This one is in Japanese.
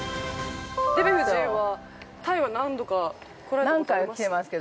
◆デヴィ夫人は、タイは何度か来られたことありますか。